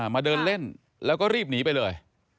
มาเดินเล่นแล้วก็รีบหนีไปเลย